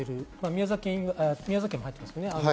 宮崎県も入ってますよね。